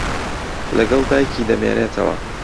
لەگەڵ دایکی دەمێنێتەوە.